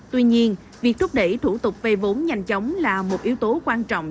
tuy nhiên việc thúc đẩy thủ tục vay vốn nhanh chóng là một yếu tố quan trọng